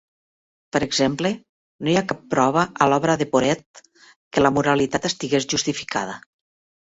Per exemple, no hi ha cap prova a l'obra de Porete que l'amoralitat estigués justificada.